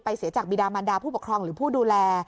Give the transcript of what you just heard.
เสียจากบิดามันดาผู้ปกครองหรือผู้ดูแล